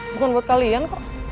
bukan buat kalian